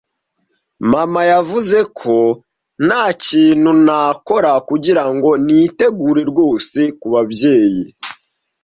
Mama yavuze ko ntakintu nakora kugirango nitegure rwose kubabyeyi.